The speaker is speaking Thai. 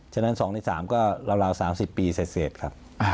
ฉะนั้น๒ใน๓ก็ราว๓๐ปีเสร็จครับ